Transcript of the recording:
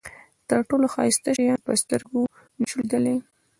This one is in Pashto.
تر ټولو ښایسته شیان په سترګو نشو لیدلای.